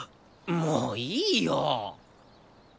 もういいよ！